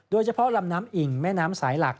โดยเฉพาะลำน้ำอิ่งแม่น้ำสายหลัก